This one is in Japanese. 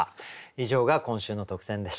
以上が今週の特選でした。